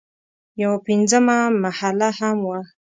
یوه پنځمه محله هم وه.